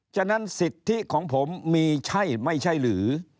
ฉะนั้นสิทธิของผมมีใช่ไม่ใช่หรือ